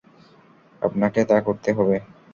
আপনাকে তা করতে হবে।